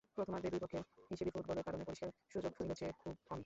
প্রথমার্ধে দুই পক্ষের হিসেবি ফুটবলের কারণে পরিষ্কার সুযোগ মিলেছে খুব কমই।